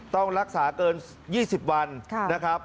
ต้องรักษาเกิน๒๐วันนะครับ